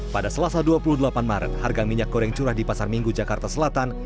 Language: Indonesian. pada selasa dua puluh delapan maret harga minyak goreng curah di pasar minggu jakarta selatan